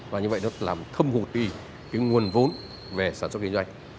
và như vậy nó làm thâm hụt đi cái nguồn vốn về sản xuất kinh doanh